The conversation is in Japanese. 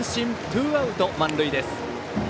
ツーアウト満塁です。